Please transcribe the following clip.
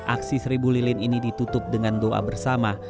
aksi seribu lilin ini ditutup dengan doa bersama